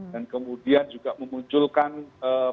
dan kemudian juga memunculkan penolakan